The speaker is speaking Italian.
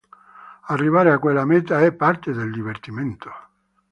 Arrivare a quella meta è parte del divertimento".